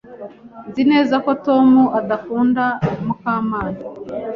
Nzi neza ko Tom adakunda Mukamana.